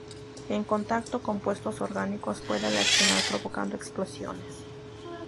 En contacto con compuestos orgánicos puede reaccionar provocando explosiones.